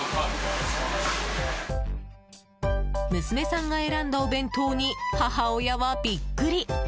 娘さんが選んだお弁当に母親はビックリ！